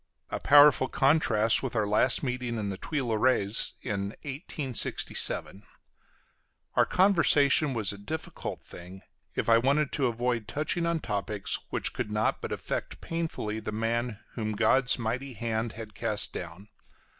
A powerful contrast with our last meeting in the Tuileries in 1867. Our conversation was a difficult thing, if I wanted to avoid touching on topics which could not but affect painfully the man whom God's mighty hand had cast down.